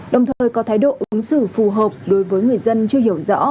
đồng thời có thái độ ứng xử phù hợp đối với người dân chưa hiểu rõ